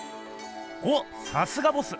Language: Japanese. おっさすがボス！